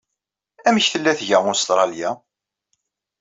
Amek tella tga Ustṛalya?